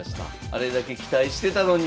あれだけ期待してたのに。